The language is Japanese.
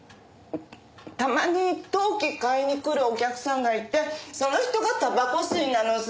たまに陶器買いに来るお客さんがいてその人がタバコ吸いなのさ。